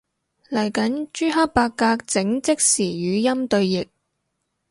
嚟緊朱克伯格整即時語音對譯